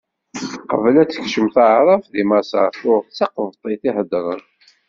Qbel ad ten-tekcem taɛrabt, deg Maṣer tuɣ d taqebṭit i heddren.